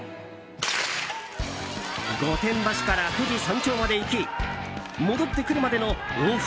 御殿場市から富士山頂まで行き戻ってくるまでの往復